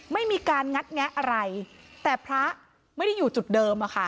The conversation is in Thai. ไม่มีการงัดแงะอะไรแต่พระไม่ได้อยู่จุดเดิมอะค่ะ